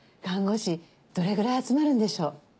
看護師どれくらい集まるんでしょう？